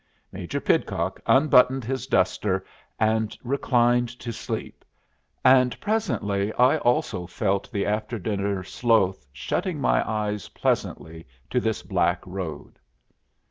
Major Pidcock unbuttoned his duster and reclined to sleep, and presently I also felt the after dinner sloth shutting my eyes pleasantly to this black road.